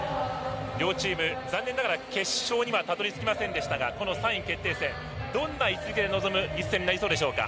両チーム、残念ながら決勝にはたどり着きませんでしたがこの３位決定戦どんな位置づけで臨む一戦になりそうでしょうか？